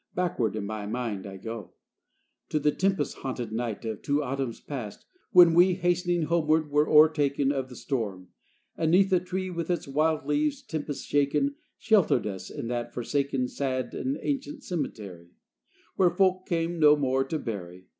Backward in my mind I go To that tempest haunted night Of two autumns past, when we, Hastening homeward, were o'ertaken Of the storm; and 'neath a tree, With its wild leaves tempest shaken, Sheltered us in that forsaken, Sad and ancient cemetery, Where folk came no more to bury.